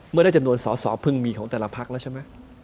เมื่อได้จำนวนสอสอเพิ่งมีของแต่ละพักแล้วใช่ไหม